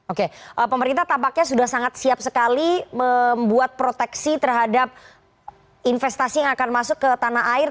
oke pemerintah tampaknya sudah sangat siap sekali membuat proteksi terhadap investasi yang akan masuk ke tanah air